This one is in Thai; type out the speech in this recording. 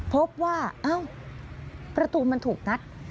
พบว่าเอ้าประตูมันถูกงัด